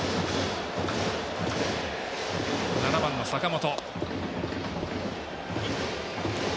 ７番の坂本。